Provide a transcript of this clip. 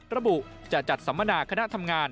ระบุจะจัดสัมมนาคณะทำงาน